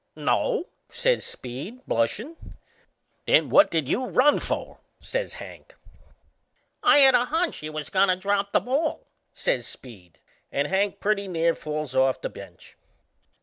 "No," says Speed, blushin'. "Then what did you run for?" says Hank. "I had a hunch he was goin' to drop the ball," says Speed; and Hank pretty near falls off the bench.